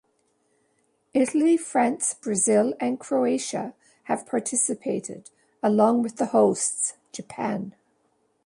Italy, France Brazil, and Croatia have participated, along with the hosts, Japan.